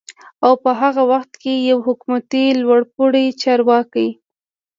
او په هغه وخت کې يوه حکومتي لوړپوړي چارواکي